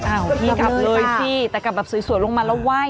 อ่าวพี่กลับเลยสิแต่กลับสวยลงมาแล้วว่าย